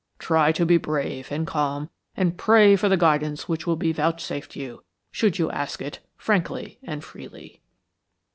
Try to be brave and calm, and pray for the guidance which will be vouchsafed you, should you ask it, frankly and freely."